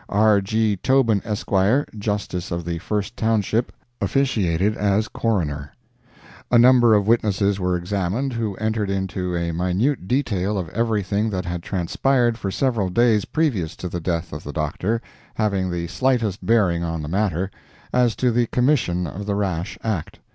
R. G. Tobin, Esq., Justice of the First Township, officiated as Coroner. A number of witnesses were examined, who entered into a minute detail of everything that had transpired for several days previous to the death of the Doctor, having the slightest bearing on the matter, as to the commission of the rash act.